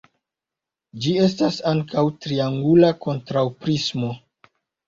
Ĝi estas ankaŭ triangula kontraŭprismo.